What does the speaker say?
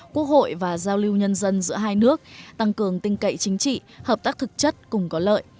quốc hội và giao lưu nhân dân giữa hai nước tăng cường tinh cậy chính trị hợp tác thực chất cùng có lợi